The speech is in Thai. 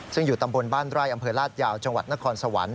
ซึ่งอยู่ตำบลบ้านไร่อำเภอลาดยาวจังหวัดนครสวรรค์